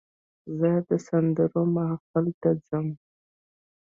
زه د سندرو محفل ته ځم.